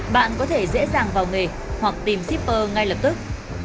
bạn có thể dễ dàng vào nghề hoặc tìm shipper ngay lập tức